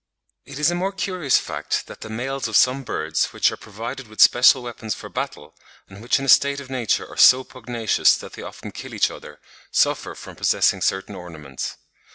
It is a more curious fact that the males of some birds which are provided with special weapons for battle, and which in a state of nature are so pugnacious that they often kill each other, suffer from possessing certain ornaments.